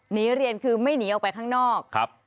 เรียนคือไม่หนีออกไปข้างนอก